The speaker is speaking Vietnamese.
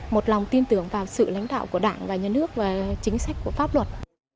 một lòng tin tưởng vào sự lãnh đạo của đảng và nhân ước và chính sách của pháp luật